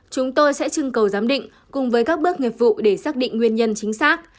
chúng tôi sẽ chưng cầu giám định cùng với các bước nghiệp vụ để xác định nguyên nhân chính xác